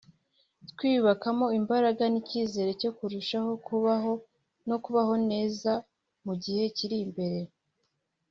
twiyubakamo imbaraga n’icyizere cyo kurushaho kubaho no kubaho neza mu gihe kiri imbere